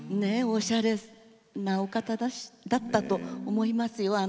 おしゃれなお方だったと思いますよ。